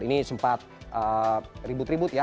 ini sempat ribut ribut ya